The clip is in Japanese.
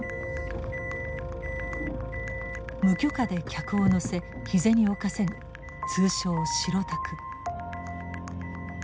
無許可で客を乗せ日銭を稼ぐ通称「白タク」。